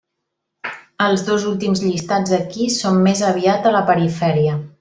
Els dos últims llistats aquí són més aviat a la perifèria.